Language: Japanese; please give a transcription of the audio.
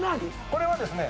これはですね